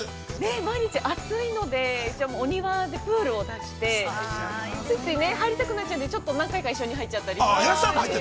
◆毎日暑いので、一応お庭でプールを出して、ついつい入りたくなっちゃうので、ちょっと何回か一緒に入っちゃったりして。